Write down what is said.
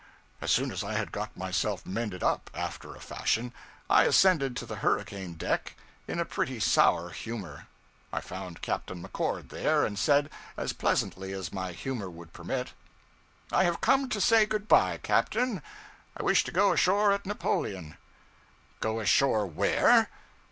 As soon as I had got myself mended up after a fashion, I ascended to the hurricane deck in a pretty sour humor. I found Captain McCord there, and said, as pleasantly as my humor would permit 'I have come to say good bye, captain. I wish to go ashore at Napoleon.' 'Go ashore where?'